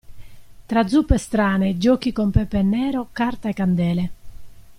Tra zuppe strane, giochi con pepe nero carta e candele.